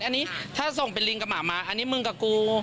อันนี้ถ้าส่งเป็นลิงกับหมามาอันนี้มึงกับกู